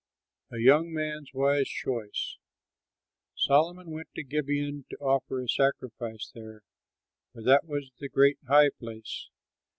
A YOUNG MAN'S WISE CHOICE Solomon went to Gibeon to offer a sacrifice there, for that was the great high place.